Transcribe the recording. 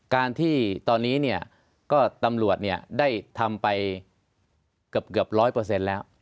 การที่ตอนนี้ก็ตำรวจได้ทำไปเกือบร้อยเปอร์เซ็นต์